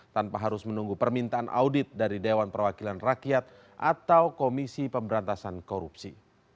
tanpa harus menunggu permintaan audit dari dewan perwakilan rakyat atau komisi pemberantasan korupsi